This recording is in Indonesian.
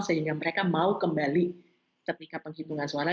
sehingga mereka mau kembali ke tingkat penghitungan suara